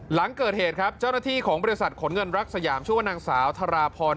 หลังเกิดเหตุครับเจ้าหน้าที่ของบริษัทขนเงินรักสยามชื่อว่านางสาวธราพร